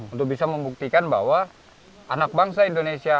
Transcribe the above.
untuk bisa membuktikan bahwa anak bangsa indonesia